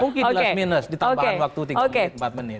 mungkin di last minus ditambahkan waktu tiga menit empat menit